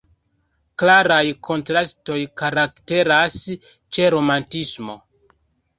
Klaraj kontrastoj karakteras ĉe romantismo.